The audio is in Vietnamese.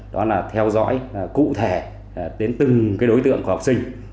đó là theo dõi cụ thể đến từng đối tượng của học sinh